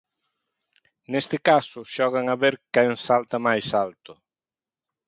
Neste caso xogan a ver quen salta máis alto.